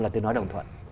là tôi nói đồng thuận